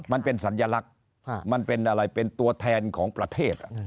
มันเป็นสัญลักษณ์มันเป็นอะไรเป็นตัวแทนของประเทศ